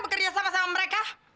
bekerja sama sama mereka